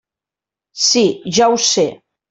Sí, ja ho sé.